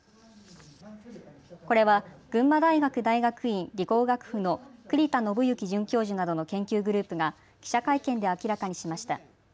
これは群馬大学大学院理工学府の栗田伸幸准教授などの研究グループが記者会見で明らかにしました。